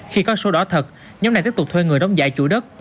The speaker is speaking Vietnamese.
khi có sổ đỏ thật nhóm này tiếp tục thuê người đóng giải chủ đất